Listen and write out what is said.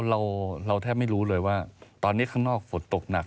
เราแทบไม่รู้เลยว่าตอนนี้ข้างนอกฝนตกหนัก